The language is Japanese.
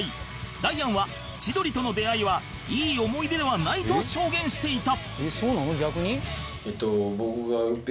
ダイアンは千鳥との出会いはいい思い出はないと証言していた